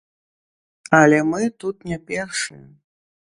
Але мы тут не першыя!